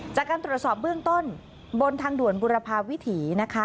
จากการตรวจสอบเบื้องต้นบนทางด่วนบุรพาวิถีนะคะ